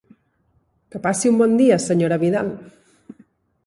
Que passi un bon dia, Sra. Vidal!